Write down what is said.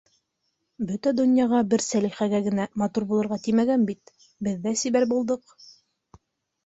Бөтә донъяға бер Сәлихәгә генә матур булырға тимәгән бит, беҙ ҙә сибәр булдыҡ.